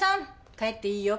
帰っていいよ。